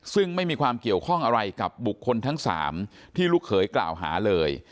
ซึ่งไม่มีความเกี่ยวข้องอะไรกับบุคคลทั้ง๓ที่ลูกเขยกล่าวหาเลย